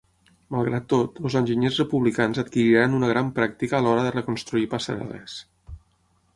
Malgrat tot, els enginyers republicans adquiriran una gran pràctica a l'hora de reconstruir passarel·les.